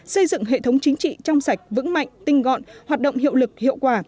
xây dựng hệ thống chính trị trong sạch vững mạnh tinh gọn hoạt động hiệu lực hiệu quả